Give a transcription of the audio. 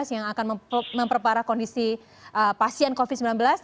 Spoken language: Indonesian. yang akan memperparah kondisi pasien covid sembilan belas